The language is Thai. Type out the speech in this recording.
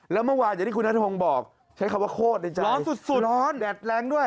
แล้วเมื่อวานอย่างที่คุณนัทพงศ์บอกใช้คำว่าโคตรในใจร้อนสุดร้อนแดดแรงด้วย